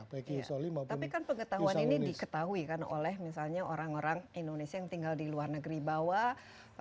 tapi kan pengetahuan ini diketahui kan oleh misalnya orang orang indonesia yang tinggal di luar negeri bawah